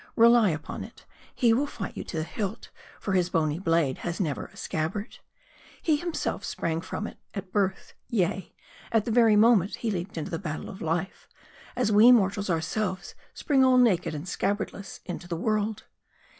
Rely upon it, he will fight you to the hilt, for his bony blade has never a scabbard. He himself sprang from it at birth ; yea, at the very moment he leaped into the Battle of Life ; as we mortals ourselves spring all naked and scabbardless into the world.